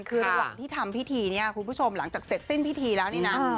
คือระหว่างที่ทำพิธีเนี่ยคุณผู้ชมหลังจากเสร็จสิ้นพิธีแล้วนี่นะ